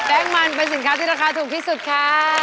แป้งมันเป็นสินค้าที่ราคาถูกที่สุดค่ะ